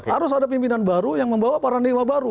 harus ada pimpinan baru yang membawa para renegawa baru